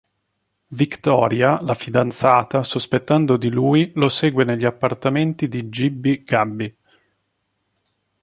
Victoria, la fidanzata, sospettando di lui, lo segue negli appartamenti di Gibby Gabby.